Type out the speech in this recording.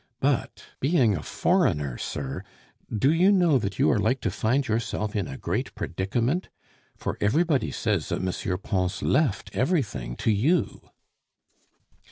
But being a foreigner, sir, do you know that you are like to find yourself in a great predicament for everybody says that M. Pons left everything to you?"